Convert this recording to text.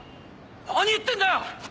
何言ってんだよ！